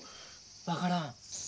分からん。